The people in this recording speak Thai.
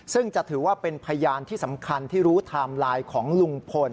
ซึ่งจะถือว่าเป็นพยานที่สำคัญที่รู้ไทม์ไลน์ของลุงพล